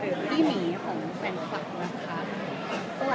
เป็นพี่หมีของแฟนคลับนะครับ